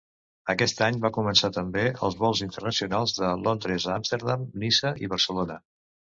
Aquest any va començar també els vols internacionals de Londres a Amsterdam, Niça i Barcelona.